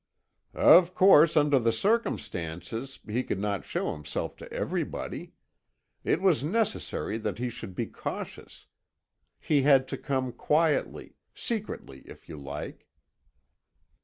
"Of course, under the circumstances, he could not show himself to everybody. It was necessary that he should be cautious. He had to come quietly secretly, if you like."